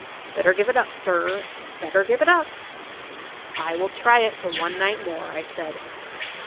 Better give it up, sir—better give it up!" "I will try it for one night more," I said.